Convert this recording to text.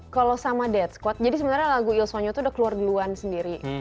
kalau sama dead squad jadi sebenarnya lagu il sogno tuh udah keluar duluan sendiri